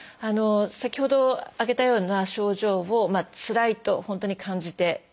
先ほど挙げたような症状をつらいと本当に感じてる方。